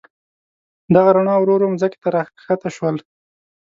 دغه رڼا ورو ورو مځکې ته راکښته شول.